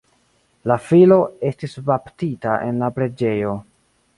La filo estis baptita en la preĝejo.